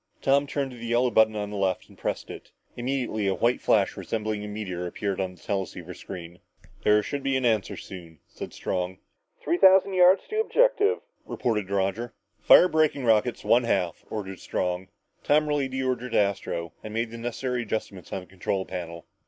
Tom turned to the yellow button on his left and pressed it. Immediately a white flash resembling a meteor appeared on the teleceiver screen. "There should be an answer soon," said Strong. "Three thousand yards to objective," reported Roger. "Fire braking rockets one half," ordered Strong. Tom relayed the order to Astro and made the necessary adjustments on the control panel.